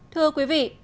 thưa quý vị